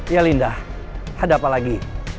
ya linda ada apa lagi